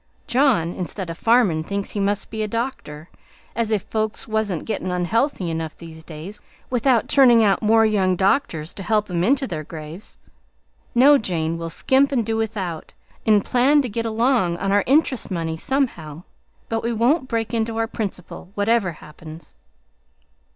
John, instead of farmin', thinks he must be a doctor, as if folks wasn't gettin' unhealthy enough these days, without turnin' out more young doctors to help 'em into their graves. No, Jane; we'll skimp 'n' do without, 'n' plan to git along on our interest money somehow, but we won't break into our principal, whatever happens."